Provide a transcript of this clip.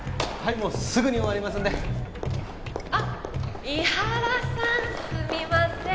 もうすぐに終わりますんであッ井原さんすみません